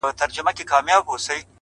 o شكر چي ښكلا يې خوښــه ســوېده ـ